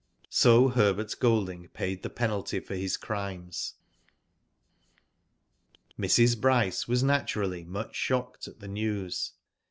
So Herbert Golding paid the penalty for his crimes. Mrs. Bryce was naturally, much shocked at the news.